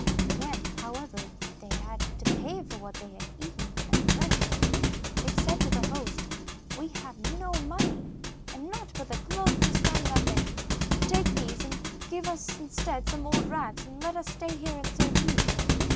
When, however, they had to pay for what they had eaten and drank, they said to the host: 'We have no money, and naught but the clothes we stand up in. Take these, and give us instead some old rags, and let us stay here and serve you.